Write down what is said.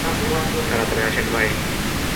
তাড়াতাড়ি আসেন ভাই।